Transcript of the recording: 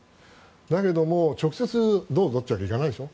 だけど、直接どうぞって言うわけにはいかないでしょ。